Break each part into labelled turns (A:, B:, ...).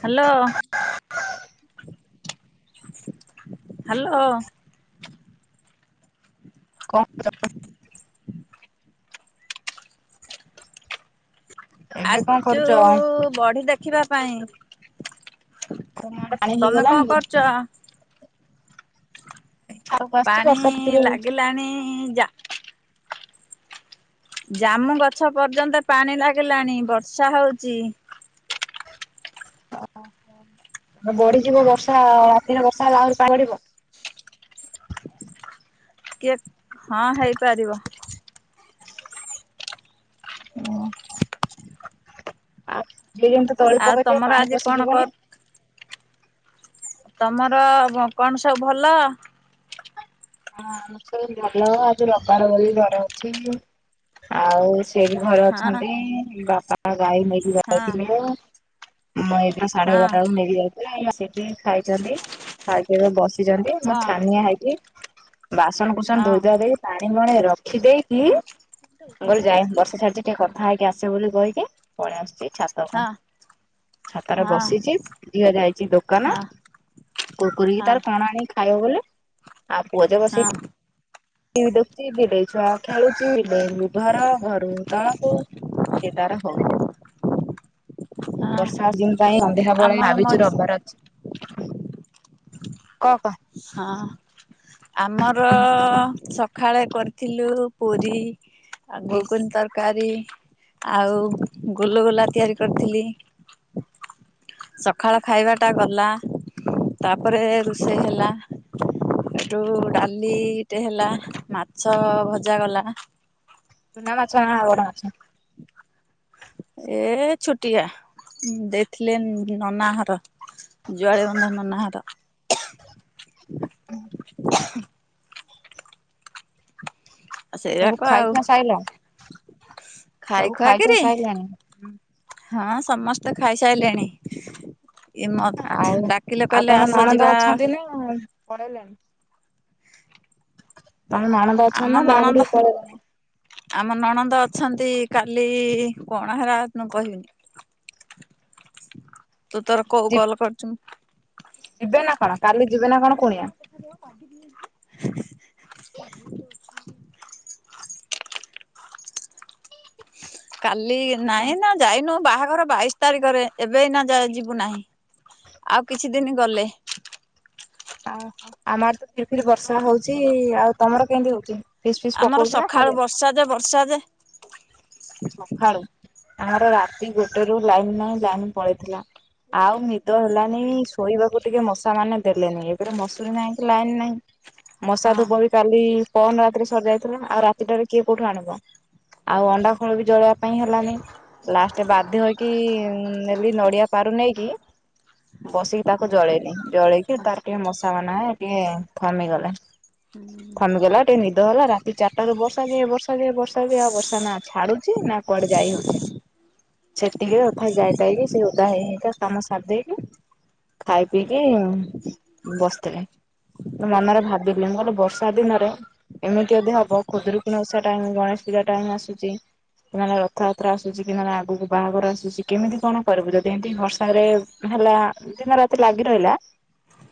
A: Hello. Hello.
B: କଣ କରୁଛ? ଏବେ କଣ
A: ଆସଛୁ
B: କରୁଛ?
A: ବଢି ଦେଖିବା ପାଇଁ।
B: ତମ ଆଡେ ପାଣି ହେଇଗଲାଣି କି?
A: ଚା
B: ଛାତକୁ ଆସିଛି
A: ପାଣି
B: ବର୍ଷା ଟିପିରେ ହଉଛି।
A: ଲାଗିଲାଣି ଯା ଜାମୁ ଗଛ ପର୍ଯ୍ୟନ୍ତ ପାଣି ଲାଗିଲାଣି ବର୍ଷା ହଉଛି।
B: ଓ ବଢିଯିବ ବର୍ଷା ଅଶିନ ବର୍ଷା ହେଲା ଆହୁରି ପା ବଡିବ।
A: କିଏ ହଁ ହେଇପାରିବ।
B: ଦୁଇ ଜମି ତଳି
A: ଆଉ
B: ପକେଇଥିବେ
A: ତମର
B: ପାଣି
A: ଆଜି କଣ କର
B: ପଶିଯିବନି।
A: ତମର କଣ ସବୁ ଭଲ?
B: ହଁ ଆମର ସବୁ ଭଲ ଆଜି ରବାର ବୋଲି ଘର ଅଛି। ଆଉ ସେ ବି ଘରେ
A: ହଁ
B: ଅଛନ୍ତି। ବାପା ମା ଗାଈ ନେଇକି
A: ହଁ
B: ଯାଇଥିଲେ। ମୁଁ, ଏଇତ ସାଢେ
A: ହଁ
B: ଏାଗାରଟାକୁ ନେଇ ଯାଇ ବସିକି ଖାଇଛନ୍ତି, ଖାଇକି ଏବେ ବସିଛନ୍ତି। ମୁଁ
A: ହଁ
B: ଛାନିଆ ହେଇକି ବାସନ କୂଶନ,
A: ହଁ
B: ଧୋଇ ଧଆ ଦେଇକି, ପାଣି ମଣେ ରଖିଦେଇକି, ଘରୁ ଯାଏ ବର୍ଷା ଛାଡ଼ିଛି। ଟିକେ କଥା ହେଇକି ଆସେ ବୋଲି କହିକି ପଳେଇ ଆସୁଛି ଛାତ କୁ।
A: ହଁ ହଁ
B: ଛତାରେ
A: ହଁ
B: ବସିଛି। ଝିଅ ଯାଇଛି ଦୋକାନ। କୁରକୁରି କି
A: ହଁ
B: ତାର କଣ ଆଣିକି ଖାଇବ ବୋଲେ ଆଉ ପୁଅ ଝିଅ
A: ହଁ
B: ବସିକି ଟିଭି ଦେଖୁଚି, ବିଲେଇ ଛୁଆ ଖେଳୁଛି। ବିଲେଇ ରୁ ଘର ଘରୁ ତଲକୁ ସେ ତାରା ହଉ [inaudible]
A: ହଁ
B: ବର୍ଷା ଦିନ ପାଇଁ ସନ୍ଧ୍ୟାବେଳେ
A: ଆମର
B: ଭାବିଛୁ
A: ମଝି
B: ରବିବାର ଅଛି। କ କହ।
A: ହଁ ଆମର ସ ସଖାଳେ କରିଥିଲୁ ପୁରୀ ଆଉ
B: ଇସ୍
A: ଘୁଗୁନି ତରକାରୀ। ଆଉ ଗୁଲୁଗୁଲା ତିଆରି କରିଥିଲି। ସକାଳ ଖାଇବା ଟା ଗଲା ତାପରେ ରୋଷେଇ ହେଲା। ଏଠୁ ଡାଲିଟେ ହେଲା ମାଛ ଭଜା କଲା।
B: ଚୁନା ମାଛ ନା ବଡ଼ ମାଛ?
A: ଏ ଛୁଟିଆ ଇଁ ଦେଇଥିଲେ ଇଁ ନନାଘର। ଜଳେ ବନ୍ଧ ନନାଘର।
B: ହୁଁ।
A: ଆଉ
B: ଏବୁ
A: ସେଇରାକ ଆଉ
B: ଖାଇ ଖୁଆ ସାଇଲ।
A: ଖାଇ
B: ସବୁ ଖୁଆ
A: ଖୁଆକିରି
B: ସାଇଲାଣି?
A: ହଁ ସମସ୍ତେ ଖାଇସାଇଲେଣି। ଇ ମତ
B: ଆଉ
A: ଡାକିଲେ କହିଲେ ଆସ ଯିବା।
B: ଅ ଉଁ ପଳେଇଲେଣି। ତମେ ନଣନ୍ଦ ଅଛ
A: ଆମ
B: ନା ବାହାଘର
A: ନଣନ୍ଦ
B: କୁ ପଳେଇଲଣି।
A: ଆମ ନଣନ୍ଦ ଅଛନ୍ତି। କାଲି କଣ ହେରା ନୁ କହିବିନି। ତୁ ତୋର କୋଉ କଲ କରିଛୁଁ।
B: ଯିବେ ନା କଣ କାଲି ଯିବେ ନା କଣ କୁଣିଆ?
A: ଚାବି ଦିଆ ହେଇଚି। କାଲି ନାହିଁ ନା ଯାଇନୁ। ବାହାଘର ବାଇଶ ତାରିଖରେ ଏବେ ଏଇନା ଯା ଯିବୁ ନାହିଁ ଆଉ କିଛି ଦିନି ଗଲେ।
B: ଆ ହଁ। ଆମ ଆଡ଼େ ଫିରି ଫିରି ବର୍ଷା ହଉଛି। ଆଉ ତମର କେମିତି ହଉଛି ଫିସ୍ ଫିସ୍
A: ଆମର
B: ପକଉଛି ନା
A: ସକାଳୁ
B: ଖାଲି?
A: ବର୍ଷା ଯେ ବର୍ଷା ଯେ।
B: ସକାଳୁ ଆମର ରାତି ଗୋଟେ ରୁ ଲାଇନ ନାଇଁ ଲାଇନ ପଳେଇଥିଲା। ଆଉ ନିଦ ହେଲାନି ଶୋଇବାକୁ ଟିକେ ମଶା ମାନେ ଦେଲେନି ଏକରେ ମସୁରୀ ନାହିଁ କି ଲାଇନ ନାହିଁ ମଶା
A: ହଁ।
B: ଧୂପ ବି। କାଲି ପନ ରାତିରେ ସରି ଯାଇଥିଲା। ଆଉ ରାତିଟାରେ କିଏ କୋଉଠୁ ଆଣିବ? ଆଉ ଅଣ୍ଡା ଖୋଳ ବି ଜଳେଆ ପାଇଁ ହେଲାନି ଲାଷ୍ଟ ବାଧ୍ୟ ହେଇକି ଇଁ ନେଲି ନଡିଆ ପାରୁ ନେଇକି। ବସିକି ତାକୁ ଜଳେଇନି। ଜଳେଇକି ତାର ଟିକେ ମଶା ମାନେ ଟିକେ ଥମିଗଲେ। ଥମିଗଲା ଟିକେ ନିଦ ହେଲା ରାତି ଚାରିଟାରୁ ବର୍ଷା ଯେ ବର୍ଷା ଯେ ବର୍ଷା ଯେ ଆଉ ବର୍ଷ ଛାଡୁଛି ନା କୁଆଡେ ଯାଇ ହଉଛି। ସେ ଟିକେ ତଥାପି ଯାଇ ତାଇକି ସେ ଓଦା ହେଇ ହେଇକା କାମ ସାରି ଦେଇକି ଖାଇ ପିଇକି ଉଁ ବସିଥିଲି। ମନରେ ଭାବିଲି ମୁଁ କହିଲି ବର୍ଷା ଦିନରେ। ଏମିତି ଯଦି ହବ ଖୁଦୁରୁକୁଣୀ ଓଷା ଟାଇମ, ଗଣେଷ ପୂଜା ଟାଇମ ଆସୁଛି। କି ମାନେ ରଥଯାତ୍ରା ଆସୁଛି କି ମାନେ ଆଗକୁ ବାହାଘର ଆସୁଛି କେମିତି କଣ କରିବୁ ଯଦି ଏମିତି ବର୍ଷା ରେ। ହେଲା ଦିନ ରାତି ଲାଗି ରହିଲା।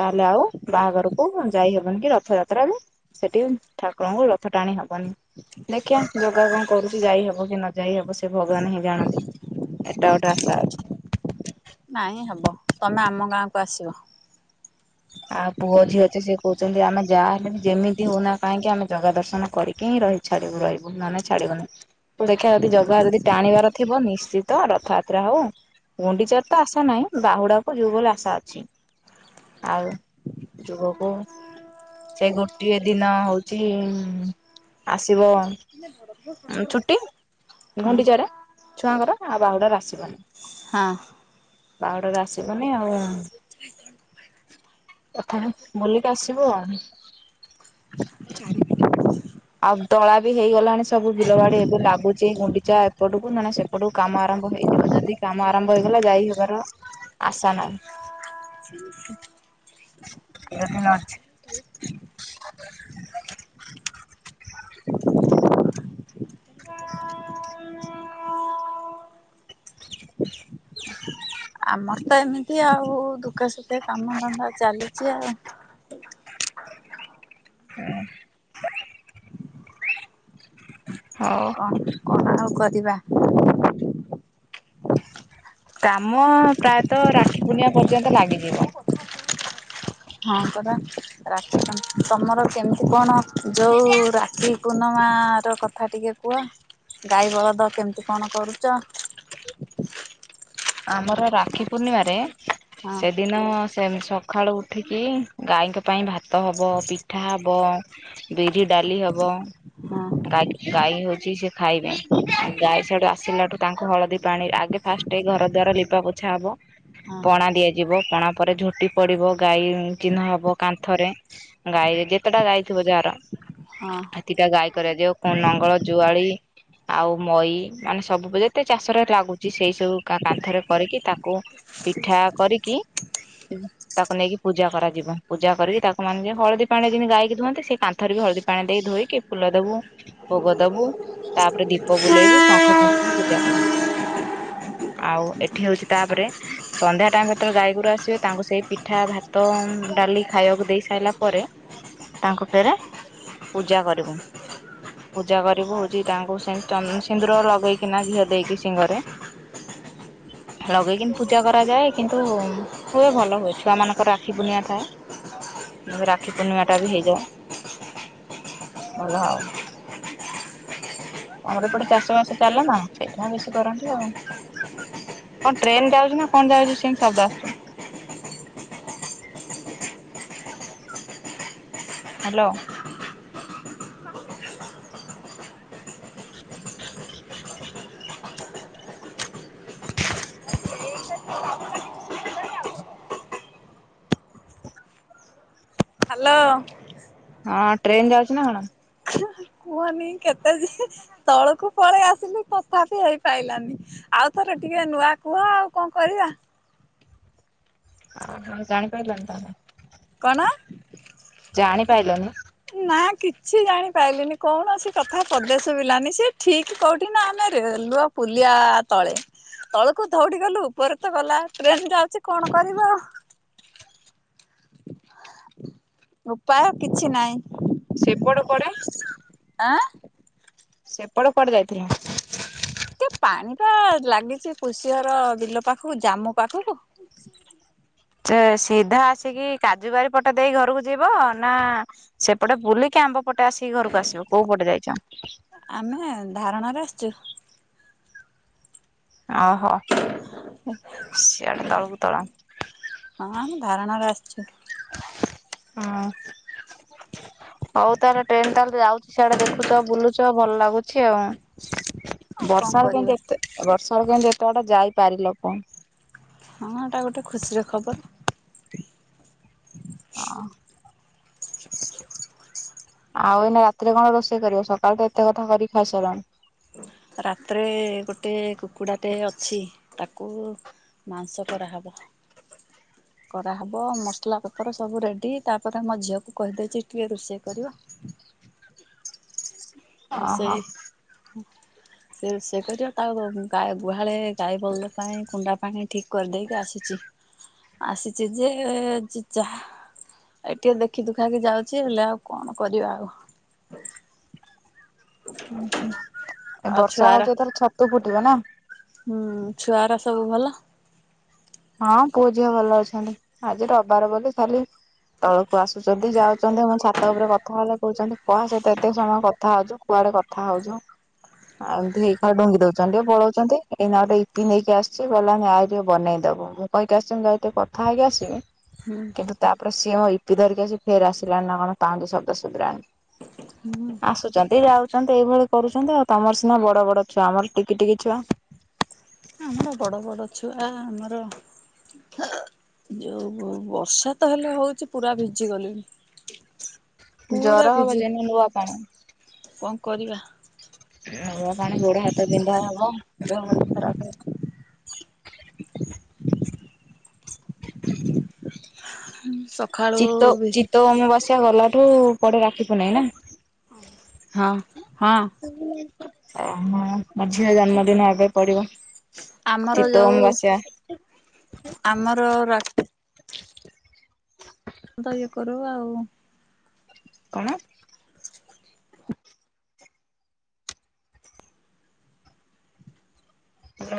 B: ତାହେଲେ ଆଉ ବାହାଘରକୁ ଉଁ ଯାଇହେବନି କି ରଥଯାତ୍ରା ବି। ସେଠି ଠାକୁରଙ୍କୁ ରଥ ଟାଣି ହବନି ଦେଖିବା ଜଗା କ କରୁଛି ଯାଇ ହବ କି ନ ଯାଇ ହବ ସେ ଭଗବାନ ହିଁ ଜାଣନ୍ତି। ଏଟା ଗୋଟେ ଆଶା ଅଛି।
A: ନାଇଁ ହବ ତମେ ଆମ ଗାଁକୁ ଆସିବ।
B: ଆଉ ପୁଅ ଯିଏ ଅଛି ସେ କହୁଛନ୍ତି ଆମେ ଯାହା ହେଲେ ବି ଯେମିତି ହଉନା କାହିଁକି ଆମେ ଜଗା ଦର୍ଶନ କରିକି ହିଁ ରହି ଛାଡ଼ିବୁ ରହିବୁ ନହେନେ ଛାଡିବୁନି। ଦେଖିଆ ଯଦି ଜଗା ଯଦି ଟାଣିବାର ଥିବ ନିଶ୍ଚିତ ରଥଯାତ୍ରା ହଉ। ଗୁଣ୍ଡିଚାର ତ ଆଶା ନାହିଁ ବାହୁଡାକୁ ଯିବୁ ବୋଲି ଆଶା ଅଛି। ଆଉ ଯୁଗକୁ। ସେ ଗୋଟିଏ ଦିନ ହଉଛି ଉଁ ଆସିବ। ଉଁ ଛୁଟି
A: ହଁ
B: ଗୁଣ୍ଡିଚାରେ ଛୁଆଙ୍କର ଆଉ ବାହୁଡରେ ଆସିବନି।
A: ହଁ।
B: ବାହୁଡାରେ ଆସିବନି ଆଉ। କଥା ବୁଲିକି ଆସିବୁ ଆଉ। ଆଉ ଦଳା ବି ହେଇଗଲାଣି ସବୁ ବିଲ ବାଡି ଏବେ ଲାଗୁଛି ଗୁଣ୍ଡିଚା ଏପଟକୁ ନହେନେ ସେ ପଟୁ କାମ ଆରମ୍ଭ ହେଇଯିବ ଯଦି କାମ ଆରମ୍ଭ ହେଇଗଲା ଯାଇ ହେବାର ଆଶା ନାହିଁ।
A: ହ [unintelligible]
B: ଏଇରା ଖୁଲା ଅଛି। [unintelligible]
A: ଆମର ତ ଏମିତି ଆଉ ଦୁଃଖ ସୁଖେ କାମ ଧନ୍ଦା ଚାଲିଛି ଆଉ।
B: ହୁଁ। ହଉ।
A: କ। [unintelligible] ଆଉ କରିବା।
B: କାମ ପ୍ରାୟତଃ ରାକ୍ଷୀ ପୁର୍ଣିମା ପର୍ଯ୍ୟନ୍ତ ଲାଗିଯିବ।
A: ହଁ ପରା ରାକ୍ଷୀ ତମର କେମିତି କଣ ଯୋଉ ରାକ୍ଷୀ ପୂର୍ଣ୍ଣମା ର କଥା ଟିକେ କୁହ ଗାଈ ବଳଦ କେମିତି କଣ କରୁଛ?
B: ଆମର ରାକ୍ଷୀ ପୂର୍ଣ୍ଣିମାରେ
A: ହଁ
B: ସେଦି ଦିନ ସେ ସକାଳୁ ଉଠିକି ଗାଈଙ୍କ ପାଇଁ ଭାତ ହବ, ପିଠା ହେବ। ବିରି ଡାଲି ହବ
A: ହଁ
B: ଗାଈ ଗାଈ ହଉଛି ସେ ଖାଇବେ। ଆଉ ଗାଈ ସଆଠୁ ଆସିଲାଠୁ ତାଙ୍କୁ ହଳଦୀ ପାଣି ଆଗେ ଫାଷ୍ଟ ଘର ଦ୍ଵାର ଲିପା ପୋଛା ହବ।
A: ହଁ
B: ପଣା ଦିଆଯିବ ପଣା ପରେ ଝୋଟି ପଡିବ, ଗାଈ ଚିହ୍ନ ହବ କାନ୍ଥରେ। ଗାଇ ଯେତେଟା ଗାଇଥିବ ଯାହାର।
A: ହଁ।
B: ହାତିଟା ଗାଈ କରାଯାଉ କଣ ନଙ୍ଗଳ, ଜୁଆଳି ଆଉ ମଈ ମାନେ ସବୁ ଯେତେ ଚାଷରେ ଲାଗୁଛି ସେଇ ସବୁ କା କାନ୍ଥରେ କରିକି ତାକୁ ପିଠା କରିକି ତାକୁ ନେଇକି ପୂଜା କରାଯିବ। ପୂଜା କରିକି ତାକୁ ମାନେ ହଳଦୀ ପାଣି ଯେମି ଗାଇକି ଧୁଅନ୍ତି ସେ କାନ୍ଥରେ ବି ହଳଦୀ ପାଣି ଦେଇି ଧୋଇକି ଫୁଲ ଦବୁ, ଭୋଗ ଦବୁ ତାପରେ ଦୀପ ବୁଲେଇବୁ ଶଙ୍ଖ ଫୁଙ୍କି ପୂଜା କରିବୁ। ଆଉ ଏଠି ହଉଛି ତାପରେ ସନ୍ଧ୍ୟା ଟାଇମ୍ ଭିତରେ ଗାଈଗୋରୁ ଆସିବେ ତାଙ୍କୁ ସେଇ ପିଠା, ଭାତ, ଡାଲି ଖାଇବାକୁ ଦେଇ ସାରିଲା ପରେ ତାଙ୍କ ଫେରେ ପୂଜା କରିବୁ। ପୂଜା କରିବ ହଉଛି ତାଙ୍କୁ ସେ ସିନ୍ଦୁର ଲଗେଇକିନା ଘିଅ ଦେଇକି ସିଂଙ୍ଗରେ। ଲଗେଇକିନି ପୂଜା କରାଯାଏ କିନ୍ତୁ ହୁଏ ଭଲ ହୁଏ ଛୁଆ ମାନଙ୍କର ରାକ୍ଷୀ ପୂର୍ଣ୍ଣିମା ଥାଏ। ଏ ରାକ୍ଷୀ ପୂର୍ଣ୍ଣିମା ଟା ବି ହେଇଯିବ ଭଲ ଆଉ।
A: [inaudible]
B: ଆମର ଏ ପଟେ ଚାଷ ବାସ ଚାଲ ନା ସେଇଠା ବେଶୀ କରନ୍ତି ଆଉ। କଣ ଟ୍ରେନ୍ ଯାଉଛି ନା କଣ ଯାଉଛି ସେମିତି ଶବ୍ଦ ଆସୁଛି?
A: [inaudible]
B: ହ୍ୟାଲୋ। [inaudible]
A: ହ୍ୟାଲୋ।
B: ହଁ ଟ୍ରେନ୍ ଯାଉଛି ନା କଣ?
A: କୁହନି କେତେ ଯେ ତଳକୁ ପଳେଇ ଆସିଲି ତଥାପି ହେଇପାଇଲାନି। ଆଉଥରେ ଟିକେ ନୂଆ କୁହ ଆଉ କଣ କରିବା?
B: ହଁ ହଁ ଜାଣିପାରିଲାନି ତାହେଲେ।
A: କଣ?
B: ଜାଣିପାଇଲନି?
A: ନା କିଛି ଜାଣିପାଇଲିନି କୌଣସି କଥା ପଦେ ଶୁଭିଲାନି। ସେ ଠିକ କୋଉଠି ନା ଆମେ ରେଲୁୱ ପୁଲିଆ ତଳେ। ତଳକୁ ଧଉଡି଼ ଗଲୁ ଉପରେ ତ ଗଲା ଟ୍ରେନ ଯାଉଛି କଣ କରିବୁ ଆଉ? ଉପାୟ କିଛି ନାହିଁ।
B: ସେପଟ କୁଆଡ଼େ?
A: ଆଁ?
B: ସେପଟ କୁଆଡେ ଯାଇଥିଲ?
A: ଏତେ ପାଣି ଟା ଲାଗିଛି କୃଷିଅର ବିଲ ପାଖକୁ ଜାମୁ ପାଖକୁ।
B: ସେ ସିଧା ଆସିକି କାଜୁ ବାରି ପଟ ଦେଇ ଘରକୁ ଯିବ ନା ସେପଟେ ବୁଲିକି ଆମ୍ବ ପଟେ ଆସିକି ଘରକୁ ଆସିବ କୋଉ ପଟେ ଯାଇଛ?
A: ଆମେ ଧାରଣାରେ ଆସିଛୁ।
B: ଓହୋ ସିଆଡେ ତଳକୁ ତଳ
A: ହଁ ଆମେ ଧାରଣାରେ ଆସିଛୁ
B: ହଁ
A: [inaudible]
B: ହଉ ତାହେଲେ ଟ୍ରେନ ତାହେଲେ ଯାଉଛି ସିଆଡେ ଦେଖୁଛ ବୁଲୁଛ ଭଲ ଲାଗୁଛି ଆଉ
A: ଆଉ କଣ
B: ବର୍ଷା ର କେମତି
A: କରିବା
B: ଏତେ ବର୍ଷା ର କେମିତି ଏତେ ବାଡେ ଯାଇପାରିଲ କଣ
A: ହଁ ଏଟା ଗୋଟେ ଖୁସିର ଖବର
B: ହଁ ଆଉ ଏଇନା ରାତିରେ କଣ ରୋଷେଇ କରିବ ସକାଳୁ ତ ଏତେ କଥା କରିକ ଖାଇସାରିଲାଣି
A: ରାତିରେ ଗୋଟେ କୁକୁଡ଼ାଟେ ଅଛି ତାକୁ ମାଂସ କରା ହବ କରାହେବ ମସଲା ପତର ସବୁ ରେଡି ତାପରେ ମୋ ଝିଅକୁ କହିଦେଇଛି ଟିକେ ରୋଷେଇ କରିବ
B: ଓହୋ
A: ରୋଷେଇ ସେ ସେ କରି ତାକୁ ଗା ଗୁହାଳି ଗାଈ ବଲଦ ପାଇଁ କୁଣ୍ଡା ପାଣି ଠିକ କରିଦେଇକି ଆସିଛି ଆସିଛି ଯେ ଚା ଏ ଟିକେ ଦେଖି ଦୁଖାକି ଯାଉଛି ହେଲେ ଆଉ କଣ କରିବା ଆଉ
B: ଉୁ ହୁଁ ଏ
A: ଆଉ
B: ବର୍ଷା
A: ଛୁଆର
B: ହଉଛି ଥର ଛତୁ ଫୁଟିବ ନା
A: ହୁଁ ଛୁଆର ସବୁ ଭଲ
B: ହଁ ପୁଅ ଝିଅ ଭଲ ଅଛନ୍ତି ଆଜି ରବାର ବୋଲି ଖାଲି ତଳକୁ ଆସୁଛନ୍ତି ଯାଉଛନ୍ତି ମୋ ଛାତ ଉପରେ କଥା ହେଲେ କହୁଛନ୍ତି କୁଣ ସହିତ ଏତେ ସମୟ କଥା ହଉଚୁ କୁଆଡେ କଥା ହଉଛୁ ଆଉ ଏମତି ଏଇ ଖା ଡୁଙ୍ଗି ଦଉଛନ୍ତି ପଳଉଛନ୍ତି ଏଇ ନାଁ ଗୋଟେ ଇପି ନେଇକି ଆସିଛି ଗଲାଣି ଆଉ ଟିକେ ବନେଇନି ଦେବ ମୁଁ କହିକି ଆସି ଯ ଏ ଟିକେ କଥା ହେଇକି ଆସିବି
A: ହୁଁ।
B: କିନ୍ତୁ ତାପରେ ସିଏ ମୋ ଇପି ଧରିକି ଆ ଫେର ଆସିଲାଣି ନା କଣ ପାଉଁଜି ଶବ୍ଦ ସୁବିଲାଣି।
A: ହୁଁ।
B: ଆସୁଛନ୍ତି ଯାଉଛନ୍ତି ଏଇଭଳି କରୁଛନ୍ତି ଆଉ ତମର ସିନା ବଡ ବଡ ଛୁଆ ଆମର ଟିକି ଟିକି ଛୁଆ।
A: ଆମର ବଡ଼ ବଡ଼ ଛୁଆ ଆମର। ଯୋଉ ବର୍ଷା ତ ହେଲେ ହଉଛି ପୁରା ଭିଜି ଗଲିଣି। ପୁରା
B: ଜର ହବ ଯେନେ ନୂଆ ପାଣି
A: ଫିଜିବ କଣ କରିବା?
B: ହ ପାଣି ଗୋଡ ହାତ ବିନ୍ଧା ହବ ଦେହ ଖରାପ ହେବା।
A: ସତ [unintelligible]
B: ଚିତ୍ତ ଚିତ୍ତ ଅମାବାସ୍ୟା ଗଲାଠୁ ପଡେ ରାଖି ପୂଣ୍ଣିମା ନା।
A: ହଁ ହଁ।
B: ଓହୋ! ମୋ ଝିଅ ଜନ୍ମଦିନ ଏବେ ପଡିବ।
A: ଆମର
B: ଚିତ୍ତେଉ
A: ଯୋଉ
B: ଅମାବାସ୍ୟା
A: ଆମର ରା ତ ଇଏ କରୁ ଆଉ।
B: କଣ?